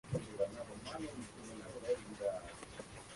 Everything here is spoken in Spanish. Una madre de familia se convierte en exitosa cantante.